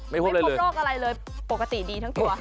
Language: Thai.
ไม่พบโรคอะไรเลยปกติดีทั้งตัว